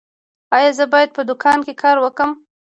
ایا زه باید په دوکان کې کار وکړم؟